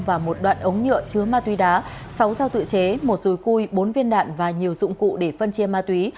và một đoạn ống nhựa chứa ma túy đá sáu dao tự chế một dùi cui bốn viên đạn và nhiều dụng cụ để phân chia ma túy